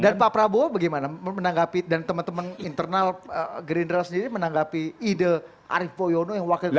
dan pak prabowo bagaimana menanggapi dan teman teman internal green rail sendiri menanggapi ide arief poyono yang wakil ketua